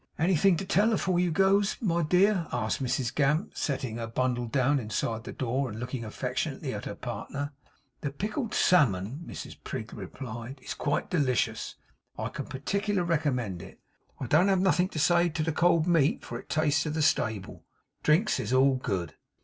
'Anythin' to tell afore you goes, my dear?' asked Mrs Gamp, setting her bundle down inside the door, and looking affectionately at her partner. 'The pickled salmon,' Mrs Prig replied, 'is quite delicious. I can partlck'ler recommend it. Don't have nothink to say to the cold meat, for it tastes of the stable. The drinks is all good.